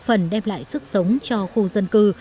phần đem lại sức sống cho khu dân cư